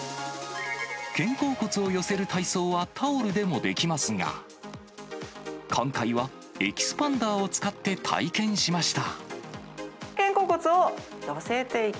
肩甲骨を寄せる体操はタオルでもできますが、今回は、エキスパンダーを使って体験しました。